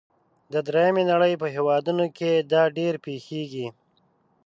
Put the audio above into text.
د دریمې نړۍ په هیوادونو کې دا ډیر پیښیږي.